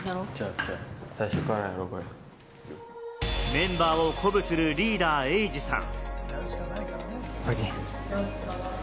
メンバーを鼓舞するリーダー、エイジさん。